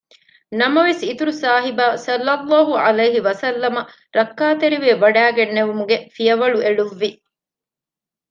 ނަމަވެސް އިތުރުސާހިބާ ޞައްލަﷲ ޢަލައިހި ވަސައްލަމަ ރައްކާތެރިވެވަޑައިގެންނެވުމުގެ ފިޔަވަޅު އެޅުއްވި